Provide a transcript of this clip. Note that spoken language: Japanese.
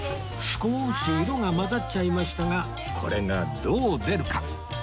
少し色が混ざっちゃいましたがこれがどう出るか？